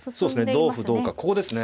同歩同角ここですね。